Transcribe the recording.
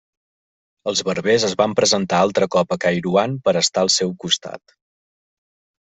Els berbers es van presentar altre cop a Kairouan per estar al seu costat.